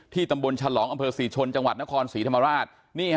ตำบลฉลองอำเภอศรีชนจังหวัดนครศรีธรรมราช